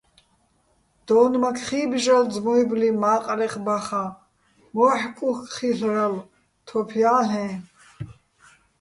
დო́ნმაქ ხი́ბჟრალო ძმუჲბლი მა́ყრეღ ბახაჼ, მოჰ̦კ უ̂ხ ხილ'რალო̆, თოფ ჲა́ლ'ეჼ.